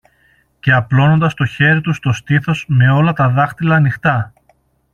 και απλώνοντας το χέρι του στο στήθος με όλα τα δάχτυλα ανοιχτά.